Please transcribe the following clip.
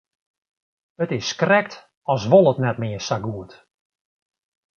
It is krekt as wol it net mear sa goed.